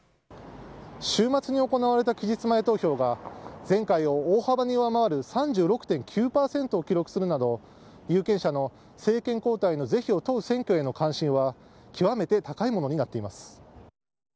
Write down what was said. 週末に行われた期日前投票が、前回を大幅に上回る３６．９％を記録するなど、有権者の政権交代の是非を問う選挙への関心は、極めて高いものになっています。